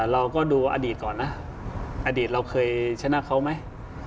เราก็ดูอดีตก่อนนะอดีตเราเคยชนะเขาไหม